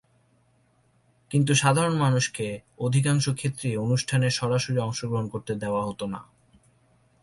কিন্তু সাধারণ মানুষকে অধিকাংশ ক্ষেত্রেই অনুষ্ঠানে সরাসরি অংশগ্রহণ করতে দেওয়া হত না।